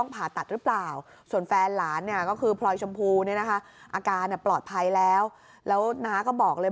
พายแล้วแล้วนาก็บอกเลย